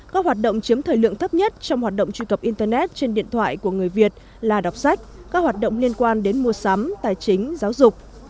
các hoạt động chiếm thời lượng thấp nhất trong hoạt động truy cập internet trên điện thoại của người việt là đọc sách các hoạt động liên quan đến mua sắm tài chính giáo dục